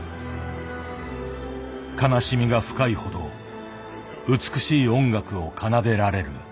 「悲しみが深いほど美しい音楽を奏でられる」。